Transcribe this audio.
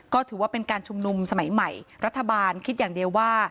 ก็ถือว่าเป็นการชุมนุมสมัยใหม่รัฐบาลคิดอย่างเดียวว่า